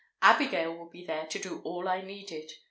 Abigail would be there to do all I needed.